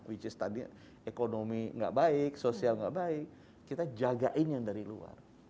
which is tadi ekonomi nggak baik sosial nggak baik kita jagain yang dari luar